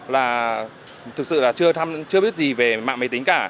là thực sự là chưa biết gì về mạng máy tính cả